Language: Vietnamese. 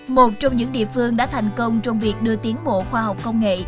một trong những địa phương đã thành công trong việc đưa tiến bộ khoa học công nghệ